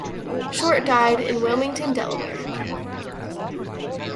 Short died in Wilmington, Delaware.